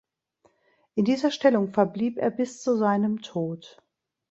In dieser Stellung verblieb er bis zu seinem Tod.